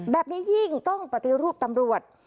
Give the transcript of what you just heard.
แบบนี้ยิ่งต้องปฏิรูปตำรวจ